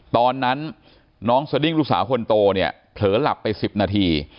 ตอนนั้นน้องสดิ้งลูกสาวคนโตเนี่ยเผลอหลับไป๑๐นาที